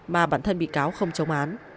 mà bản thân bị cáo không chống án